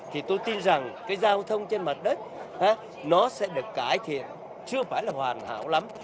thì tôi tin rằng cái giao thông trên mặt đất nó sẽ được cải thiện chưa phải là hoàn hảo lắm